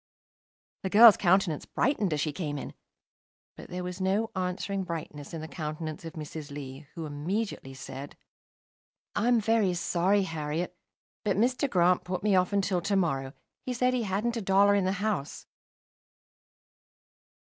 The girl's countenance brightened as she came in; but there was no answering brightness in the countenance of Mrs. Lee, who immediately said "I'm very sorry, Harriet, but Mr. Grant put me off until to morrow. He said he hadn't a dollar in the house."